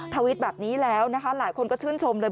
ทวิตแบบนี้แล้วนะคะหลายคนก็ชื่นชมเลย